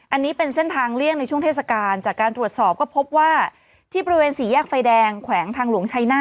อันนี้เป็นเส้นทางเลี่ยงในช่วงเทศกาล